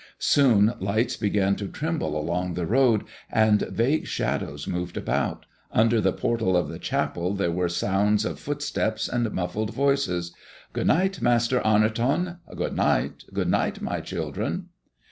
Soon lights began to tremble along the road, and vague shadows moved about. Under the portal of the chapel there were sounds of footsteps and muffled voices: "Good night, Master Arnoton!" "Good night, good night, my children!"